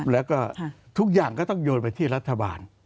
แล้วก็ทุกอย่างก็ต้องโยนไปที่รัฐบาล